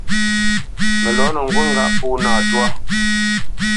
Mə lɔ̌nə ŋgút ŋgâʼ pó nâ twá.